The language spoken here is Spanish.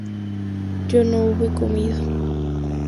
yo no hube comido